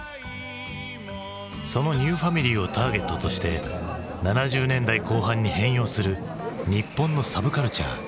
そのニューファミリーをターゲットとして７０年代後半に変容する日本のサブカルチャー。